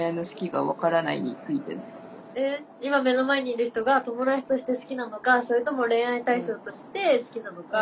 えっ今目の前にいる人が友達として好きなのかそれとも恋愛対象として好きなのか。